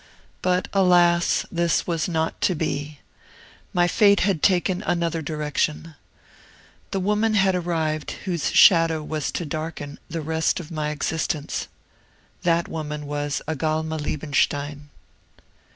But, alas! this was not to be. My fate had taken another direction. The woman had arrived whose shadow was to darken the rest of my existence. That woman was Agalma Liebenstein.